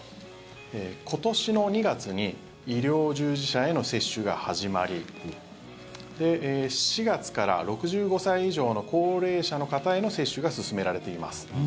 今年の２月に医療従事者への接種が始まり４月から６５歳以上の高齢者の方への接種が進められています。